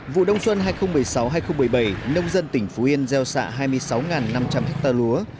vụ đông xuân hai nghìn một mươi sáu hai nghìn một mươi bảy nông dân tỉnh phú yên gieo xạ hai mươi sáu năm trăm linh ha lúa